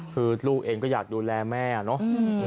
คือลูกเองก็อยากดูแลแม่เนาะ